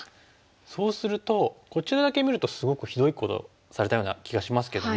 そうするとこちらだけ見るとすごくひどいことをされたような気がしますけども。